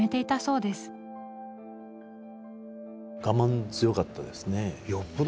我慢強かったですね。